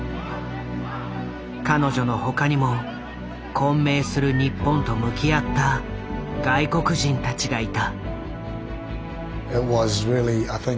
彼女の他にも混迷する日本と向き合った外国人たちがいた。